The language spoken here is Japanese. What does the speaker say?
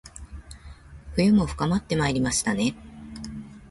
冬も深まってまいりましたね